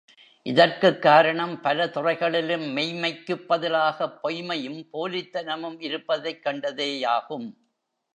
இதற்குக் கார ணம், பல துறைகளிலும் மெய்ம்மைக்குப் பதிலாகப் பொய்ம்மையும் போலித்தனமும் இருப்பதைக் கண்டதே யாகும்.